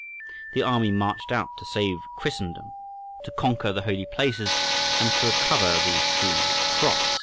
The army marched out to save Christendom, to conquer the Holy Places, and to recover the "True Cross."